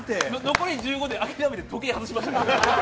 残り１５であきらめて時計は外しましたから。